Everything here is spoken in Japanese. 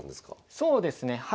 そうですねはい。